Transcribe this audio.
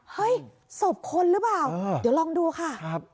เฮ้ยศพคนหรือเปล่าเดี๋ยวลองดูค่ะ